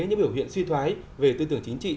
những biểu hiện suy thoái về tư tưởng chính trị